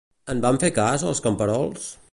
En van fer cas, els camperols?